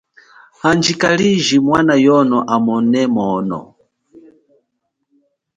Handjika liji mwana yono amone mwono.